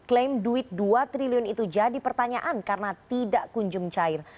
klaim duit dua triliun itu jadi pertanyaan karena tidak kunjung cair